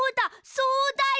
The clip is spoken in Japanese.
そうだよ！